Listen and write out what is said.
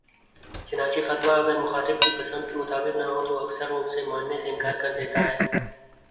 چنانچہ فتویٰ اگر مخاطب کی پسند کے مطابق نہ ہو تو اکثر وہ اسے ماننے سے انکار کر دیتا ہے